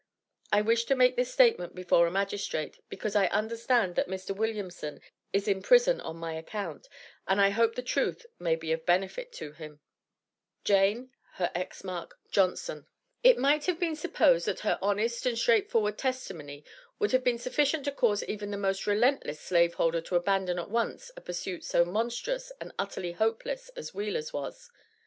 I wish to make this statement before a magistrate, because I understand that Mr. Williamson is in prison on my account, and I hope the truth may be of benefit to him." [Illustration: JANE JOHNSON] [Illustration: PASSMORE WILLIAMSON.] JANE [her X mark.] JOHNSON. It might have been supposed that her honest and straightforward testimony would have been sufficient to cause even the most relentless slaveholder to abandon at once a pursuit so monstrous and utterly hopeless as Wheeler's was.